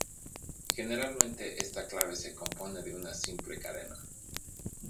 Generalmente esta clave se compone de una simple cadena.